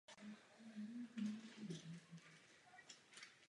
Je velmi ambiciózní.